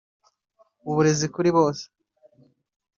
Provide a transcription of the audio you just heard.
uburezi kuri bose